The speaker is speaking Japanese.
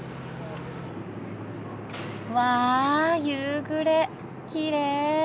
うわ夕暮れきれい。